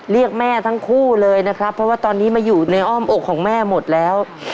เรียกแม่ทั้งคู่เลยนะครับเพราะว่าตอนนี้มาอยู่ในอ้อมอกของแม่หมดแล้ว